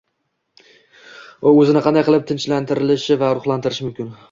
u o‘zini qanday qilib tinchlantirishi va ruhlantirishi mumkin?